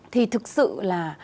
thì thực sự là